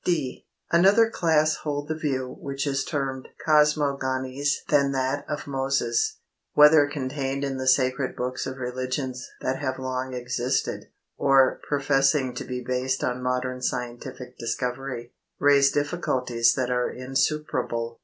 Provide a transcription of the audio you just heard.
(d) Another class hold the view which is termed cosmogonies than that of Moses, whether contained in the sacred books of religions that have long existed, or professing to be based on modern scientific discovery, raise difficulties that are insuperable.